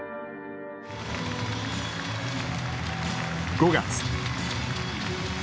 ５月。